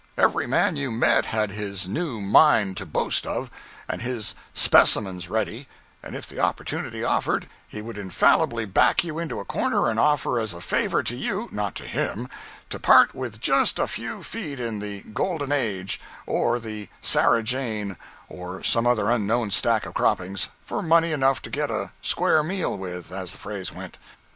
Every man you met had his new mine to boast of, and his "specimens" ready; and if the opportunity offered, he would infallibly back you into a corner and offer as a favor to you, not to him, to part with just a few feet in the "Golden Age," or the "Sarah Jane," or some other unknown stack of croppings, for money enough to get a "square meal" with, as the phrase went.